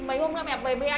mấy hôm nữa mẹ về nhá